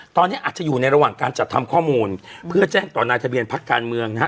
ตอนนี้อาจจะอยู่ในระหว่างการจัดทำข้อมูลเพื่อแจ้งต่อนายทะเบียนพักการเมืองนะฮะ